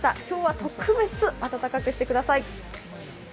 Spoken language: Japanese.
今日は特別暖かくしてください。